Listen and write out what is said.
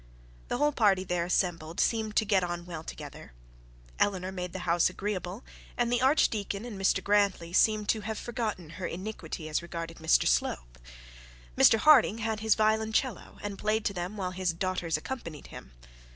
The whole party there assembled seemed to get on well together. Eleanor made the house agreeable, and the archdeacon and Mrs Grantly seemed to have forgotten her injury as regarded Mr Slope. Mr Harding had his violoncello, and played to them while his daughters accompanied him.